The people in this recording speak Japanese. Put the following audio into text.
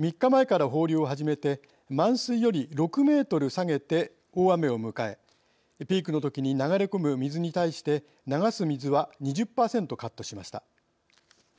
３日前から放流を始めて満水より６メートル下げて大雨を迎えピークのときに流れ込む水に対して流す水が２０％カットしました。